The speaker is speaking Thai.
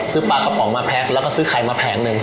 ปลากระป๋องมาแพ็คแล้วก็ซื้อไข่มาแผงหนึ่ง